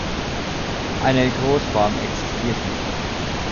Eine Großform existiert nicht.